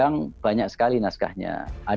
yang banyak sekali naskahnya